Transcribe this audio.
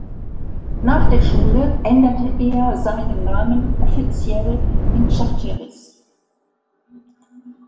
Nach der Schule änderte er seinen Namen offiziell in „Charteris“.